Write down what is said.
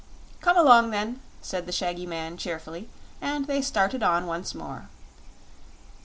"Come along, then," said the shaggy man, cheerfully; and they started on once more.